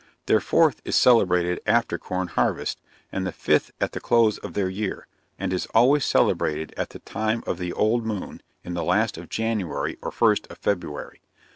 Their fourth is celebrated after corn harvest; and the fifth at the close of their year, and is always celebrated at the time of the old moon in the last of January or first of February.